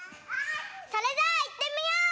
それじゃあいってみよう！